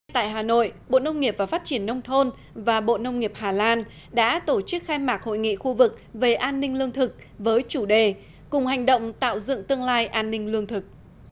tại hà nội bộ nông nghiệp và phát triển nông thôn và bộ nông nghiệp hà lan đã tổ chức khai mạc hội nghị khu vực về an ninh lương thực với chủ đề cùng hành động tạo dựng tương lai an ninh lương thực